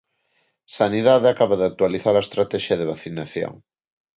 Sanidade acaba de actualizar a estratexia de vacinación.